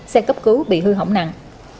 xe cấp cứu bị hư hỏng nặng